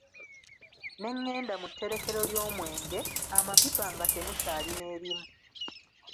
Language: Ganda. Ne ngenda mu tterekero ly'omwenge; amapipa nga temukyali n'erimu.